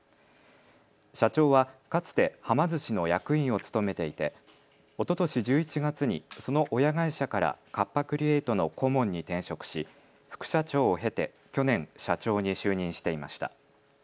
社長はかつて、はま寿司の役員を務めていておととし１１月にその親会社からカッパ・クリエイトの顧問に転職し副社長を経て去年、社長に就任していました。